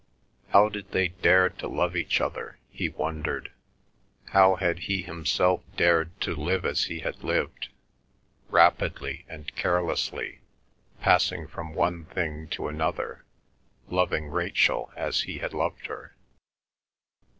How did they dare to love each other, he wondered; how had he himself dared to live as he had lived, rapidly and carelessly, passing from one thing to another, loving Rachel as he had loved her?